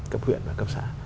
cấp huyện và cấp xã